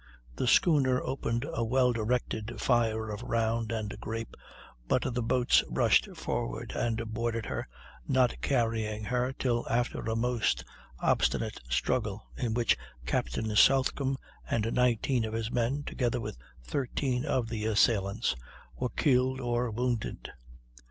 The schooner opened a well directed fire of round and grape, but the boats rushed forward and boarded her, not carrying her till after a most obstinate struggle, in which Captain Southcomb and 19 of his men, together with 13 of the assailants, were killed or wounded.